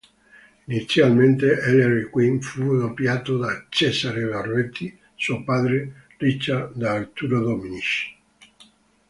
Inizialmente, Ellery Queen fu doppiato da Cesare Barbetti, suo padre Richard da Arturo Dominici.